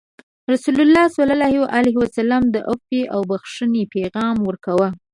رسول الله صلى الله عليه وسلم د عفوې او بخښنې پیغام ورکوه.